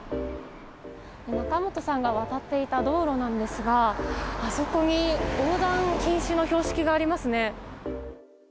仲本さんが渡っていた道路なんですがあそこに横断禁止の標識がありますね。